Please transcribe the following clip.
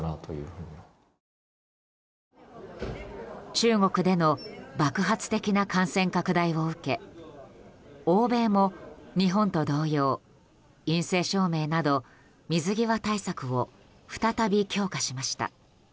中国での爆発的な感染拡大を受け欧米も日本と同様陰性証明など水際対策を再び強化しました。